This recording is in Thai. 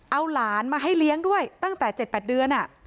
เอาหลานมาให้เลี้ยงด้วยตั้งแต่๗๘เดือน